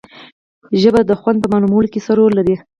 ژبه د خوند په معلومولو کې څه رول لري